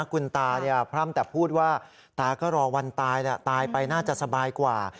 คุณตาพร่ำแต่พูดว่าตาก็รอวันตายแหละตายไปน่าจะสบายกว่า